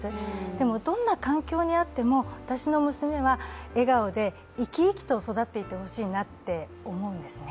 でも、どんな環境にあっても私の娘は笑顔で生き生きと育っていってほしいなと思うんですね。